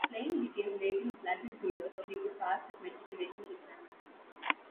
Klein became Layton's Latin tutor so he could pass his matriculation exams.